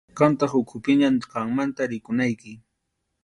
Qamtaq ukhupiña, qammanta rikunayki.